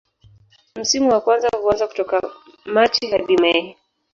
Msimu wa kwanza huanza kutoka Machi hadi mei